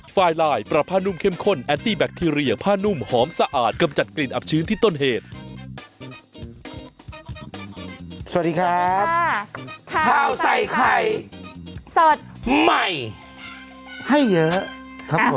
สวัสดีครับข้าวใส่ไข่สดใหม่ให้เยอะครับผม